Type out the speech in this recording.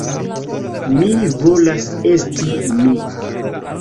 Mi volas esti mi.